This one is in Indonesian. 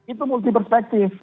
itu multi perspektif